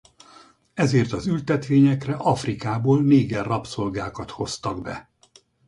Ezért az ültetvényekre Afrikából néger rabszolgákat hoztak be.